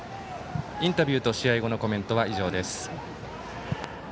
インタビューと試合後のコメントは以上です。